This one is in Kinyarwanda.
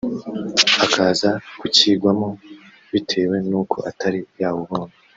akaza kucyigwamo bitewe n'uko atari yawubonye